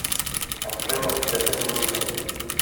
Ad tɣibeḍ tlata n wussan.